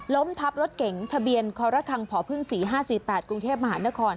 ทับรถเก๋งทะเบียนครคังผพึ่ง๔๕๔๘กรุงเทพมหานคร